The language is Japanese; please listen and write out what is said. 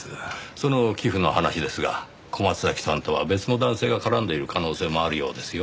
その寄付の話ですが小松崎さんとは別の男性が絡んでいる可能性もあるようですよ。